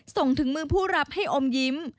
ส่งถึงมือผู้รับให้อมยิ้ม